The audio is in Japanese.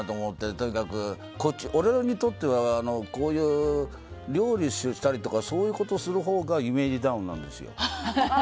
とにかく俺にとってはこういう料理したりとかそういうことをするほうがイメージダウンなんですよ。